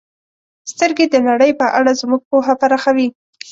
• سترګې د نړۍ په اړه زموږ پوهه پراخوي.